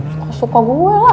suka suka gue lah